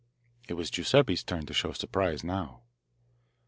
It was Giuseppe's turn to show surprise now.